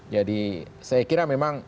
jadi saya kira memang